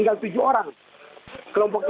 dari keterangan pak jokowi